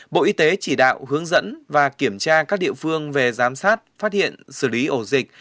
bộ y tế chỉ đạo hướng dẫn và kiểm tra các địa phương về giám sát phát hiện xử lý ổ dịch